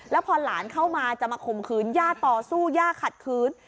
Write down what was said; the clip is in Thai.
แล้วพอหลานเข้ามาจะมาข่มขืนย่าต่อสู้ย่าขัดขืน